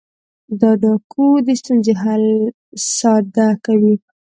دا کوډ د ستونزې حل ساده کوي.